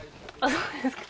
そうですか？